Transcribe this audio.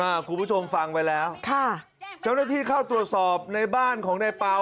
คุณผู้ชมฟังไว้แล้วค่ะเจ้าหน้าที่เข้าตรวจสอบในบ้านของนายเปล่า